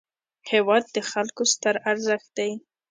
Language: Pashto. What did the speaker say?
هېواد د خلکو ستر ارزښت دی.